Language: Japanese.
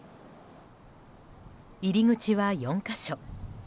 入り口は４か所。